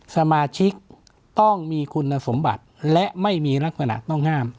สมาชิกต้องมีคุณสมบัติและไม่มีลักษณะต้องห้าม